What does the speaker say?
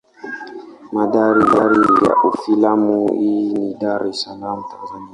Mandhari ya filamu hii ni Dar es Salaam Tanzania.